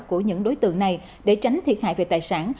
của những đối tượng này để tránh thiệt hại về tài sản